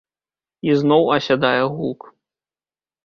І зноў асядае гук.